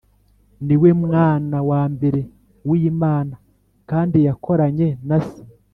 Ni we Mwana wa mbere w Imana kandi yakoranye na Se